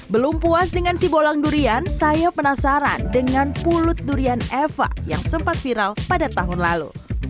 belum puas dengan si bolang durian saya penasaran dengan pulut durian eva yang sempat viral pada tahun lalu